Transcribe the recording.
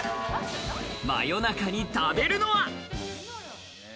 真夜中に食べるのは？